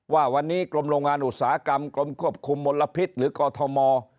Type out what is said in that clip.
ว่าวันนี้กรมโรงงานอุตสาหกรรมกรมควบคุมมลพิษหรือกอทม